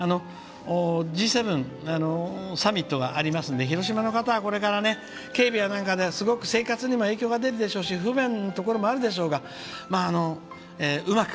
Ｇ７サミットがありますので広島の方は、これから警備とかですごく生活にも影響が出ますでしょうし不便なところもあるでしょうがうまく